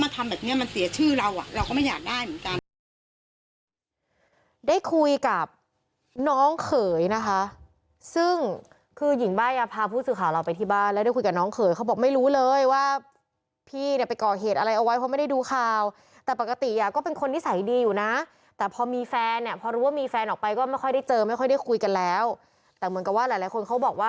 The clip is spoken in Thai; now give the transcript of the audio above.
แต่ชื่อเราอะเราก็ไม่อยากได้เหมือนกัน